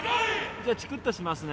じゃあチクッとしますね